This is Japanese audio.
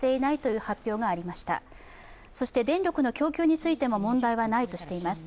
そして電力の供給についても問題はないとしています。